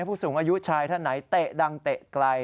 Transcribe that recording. ผู้สูงอายุชายท่านไหนเตะดังเตะไกล